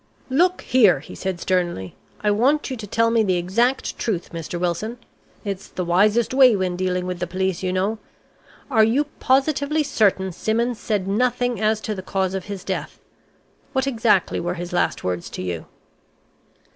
"Look here," he said sternly, "I want you to tell me the exact truth, Mr. Wilson. It's the wisest way when dealing with the police, you know. Are you positively certain Simmons said nothing as to the cause of his death? What exactly were his last words to you?"